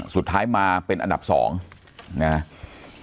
สุดท้ายมาเป็นอันดับสองนะฮะ